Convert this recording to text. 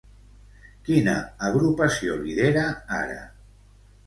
Quina agrupació lidera ara?